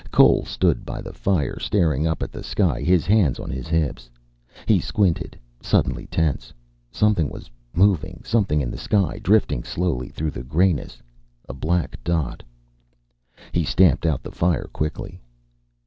Cole stood by the fire, staring up at the sky, his hands on his hips. He squinted, suddenly tense. Something was moving. Something in the sky, drifting slowly through the grayness. A black dot. He stamped out the fire quickly.